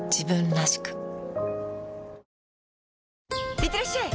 いってらっしゃい！